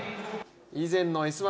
以前の「Ｓ☆１」